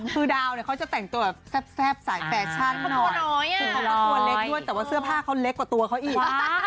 คือดาวน์เนี่ยเขาจะแต่งตัวแบบแซ่บสายแฟชั่นหน่อยเสื้อผ้าเขาเล็กกว่าตัวเขาอีก